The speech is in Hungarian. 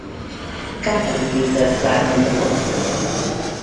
Kárpáti Péter drámaíró apja.